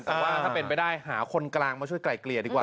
แต่ว่าถ้าเป็นไปได้หาคนกลางมาช่วยไกล่เกลี่ยดีกว่า